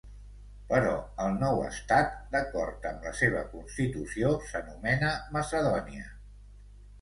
Però el nou estat, d'acord amb la seva constitució, s'anomena Macedònia.